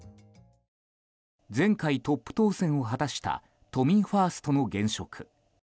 前回トップ当選を果たした都民ファーストの現職。